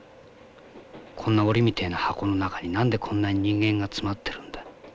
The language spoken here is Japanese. こんな檻みてえな箱の中に何でこんなに人間が詰まってるんだ。